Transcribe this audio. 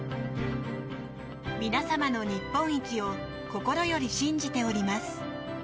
皆様の日本一を心より信じております。